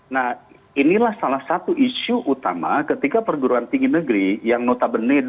nah inilah salah satu isu utama ketika perguruan tinggi negeri yang notabene